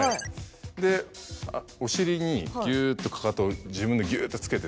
でお尻にギュっとかかとを自分でギュっとつけて。